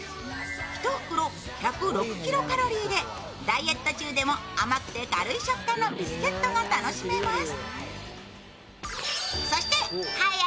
１袋１０６キロカロリーでダイエット中でも甘くて軽い食感のビスケットが楽しめます。